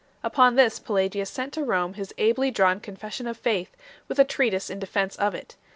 Upon this Pelagius sent to Rome his ably drawn Confession of Faith 2 , with a treatise in defence of it 3